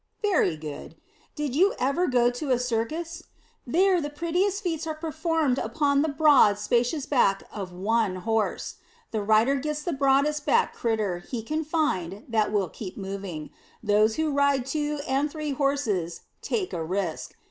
Very good. Did you ever go to a circus? There the prettiest feats are performed upon the broad, spacious back of one horse. The rider gets the broadest backed critter he can find that will keep moving. Those who ride two and three horses take a risk.